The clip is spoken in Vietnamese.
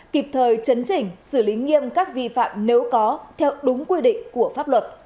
kịp thời chấn chỉnh xử lý nghiêm các vi phạm nếu có theo đúng quy định của pháp luật